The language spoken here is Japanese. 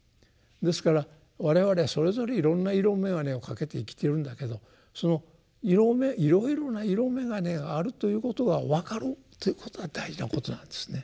ですから我々はそれぞれいろんな色眼鏡を掛けて生きてるんだけどそのいろいろな色眼鏡があるということが分かるということが大事なことなんですね。